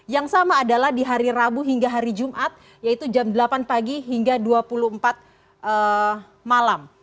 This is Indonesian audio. yang sama adalah di hari rabu hingga hari jumat yaitu jam delapan pagi hingga dua puluh empat malam